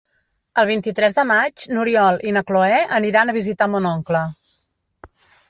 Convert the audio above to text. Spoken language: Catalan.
El vint-i-tres de maig n'Oriol i na Cloè aniran a visitar mon oncle.